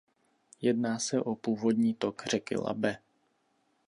Jedná se o původní tok řeky Labe.